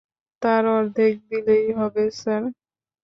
তার অর্ধেক দিলেই হবে, স্যার।